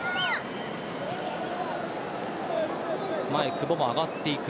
久保も上がっていく。